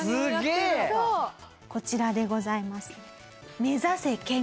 こちらでございます。